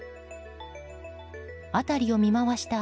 辺りを見回した